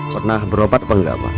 pernah berobat atau enggak